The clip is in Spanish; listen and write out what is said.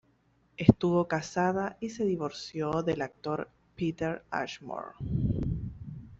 Estuvo casada y se divorció del actor Peter Ashmore.